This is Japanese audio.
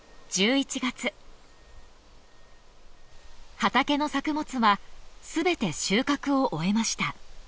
畑の作物は全て収穫を終えました。